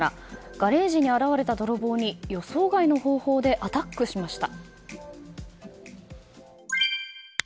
ガレージに現れた泥棒に予想外の方法でアタックしました。